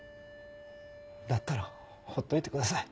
だったらほっといてください。